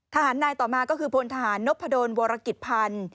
ทหารในต่อมาก็คือพลทหารนบพะโดนวรกิจภัณฑ์